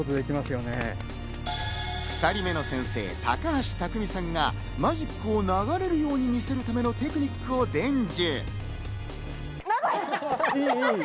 ２人目の先生・高橋匠さんが、マジックを流れるように見せるためのテクニックを伝授。